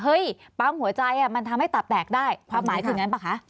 ปั๊มหัวใจมันทำให้ตับแตกได้ความหมายคืออย่างนั้นป่ะคะ